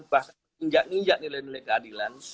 bahkan injak ninjak nilai nilai keadilan